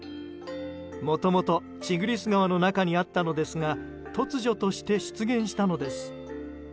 もともとチグリス川の中にあったのですが突如として出現したのです。